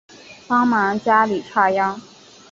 帮忙家里插秧